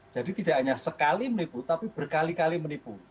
jadi tidak hanya sekali menipu tapi berkali kali menipu